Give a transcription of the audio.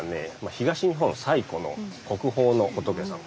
東日本最古の国宝の仏さま。